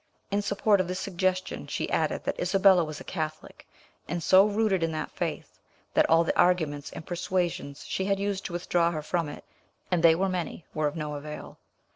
In support of this suggestion she added that Isabella was a Catholic, and so rooted in that faith, that all the arguments and persuasions she had used to withdraw her from it, and they were many, were of no avail.